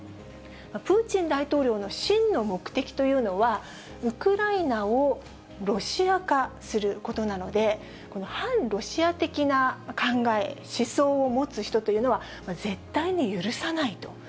プーチン大統領の真の目的というのは、ウクライナをロシア化することなので、この反ロシア的な考え、思想を持つ人というのは、絶対に許さないと。